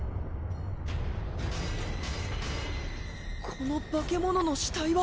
この化け物の屍体は。